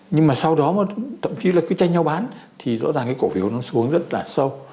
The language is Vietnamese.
nhưng mà sau đó mà thậm chí là cứ tranh nhau bán thì rõ ràng cái cổ phiếu nó xuống rất là sâu